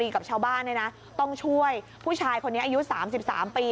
กับชาวบ้านเนี่ยนะต้องช่วยผู้ชายคนนี้อายุ๓๓ปี